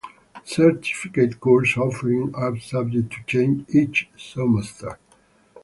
Certificate course offerings are subject to change each semester.